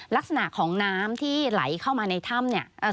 ลักษณะของน้ำที่ไหลเข้ามาในถ้ำเนี่ย